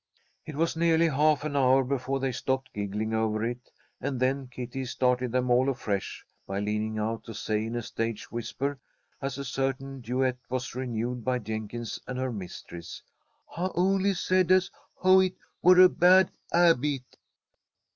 It was nearly half an hour before they stopped giggling over it, and then Kitty started them all afresh by leaning out to say, in a stage whisper, as a certain duet was renewed by Jenkins and her mistress, "'Hi honly said as 'ow hit were a bad 'abit.'"